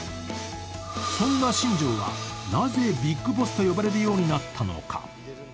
そんな新庄はなぜビッグボスと呼ばれるようになったのか。